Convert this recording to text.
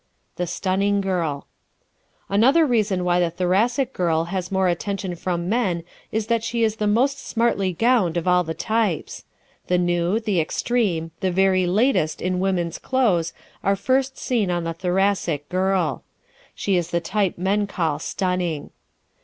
The Stunning Girl ¶ Another reason why the Thoracic girl has more attention from men is that she is the most smartly gowned of all the types. The new, the extreme, the "very latest" in women's clothes are first seen on the Thoracic girl. She is the type men call "stunning."